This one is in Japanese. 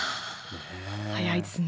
早いですね。